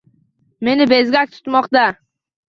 Meni bezgak tutmoqda.